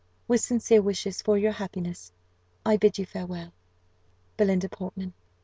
With sincere wishes for your happiness, I bid you farewell. "BELINDA PORTMAN."